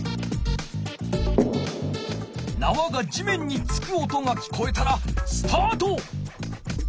なわが地面に着く音が聞こえたらスタート！